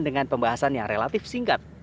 dengan pembahasan yang relatif singkat